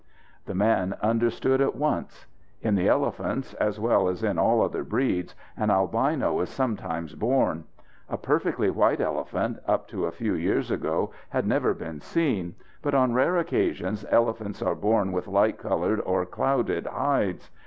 The man understood at once. In the elephants, as well as in all other breeds, an albino is sometimes born. A perfectly white elephant, up to a few years ago, had never been seen, but on rare occasions elephants are born with light coloured or clouded hides.